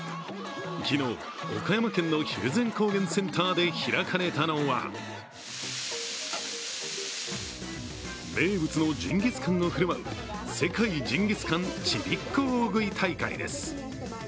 昨日、岡山県の蒜山高原センターで開かれたのは名物のジンギスカンを振る舞う世界ジンギスカンちびっこ大食い大会です。